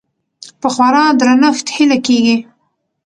په خورا درنښت هيله کيږي